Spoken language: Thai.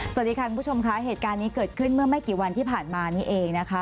สวัสดีค่ะคุณผู้ชมค่ะเหตุการณ์นี้เกิดขึ้นเมื่อไม่กี่วันที่ผ่านมานี้เองนะคะ